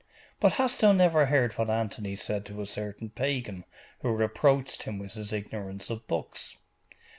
But hast thou never heard what Anthony said to a certain Pagan who reproached him with his ignorance of books?